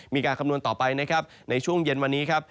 มีการคำนวณต่อไปในช่วงเย็นวันนี้